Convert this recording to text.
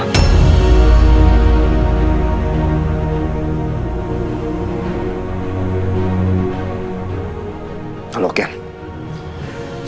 kalau kayak gitu